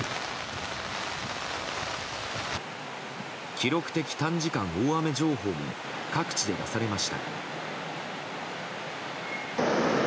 記録的短時間大雨情報も各地で出されました。